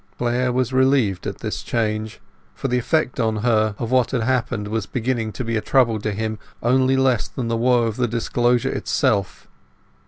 Clare was relieved at this change, for the effect on her of what had happened was beginning to be a trouble to him only less than the woe of the disclosure itself.